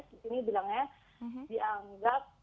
di sini bilangnya dianggap